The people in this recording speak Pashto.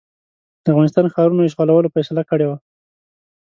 د افغانستان ښارونو اشغالولو فیصله کړې وه.